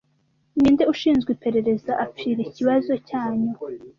Ninde ushinzwe iperereza apfira Ikibazo Cyanyuma